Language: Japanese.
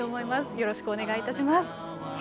よろしくお願いします。